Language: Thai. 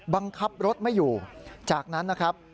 บังคับรถไม่อยู่จากนั้นนะครับ